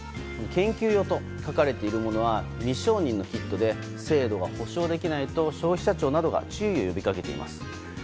研究用と書かれているものは未承認のキットで精度が保証できないと消費者庁などが注意を呼びかけています。